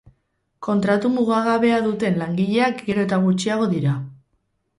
Kontratu mugagabea duten langileak gero eta gutxiago dira.